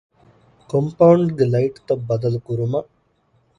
ކޮމްޕައުންޑްގެ ލައިޓްތައް ބަދަލުކުރުމަށް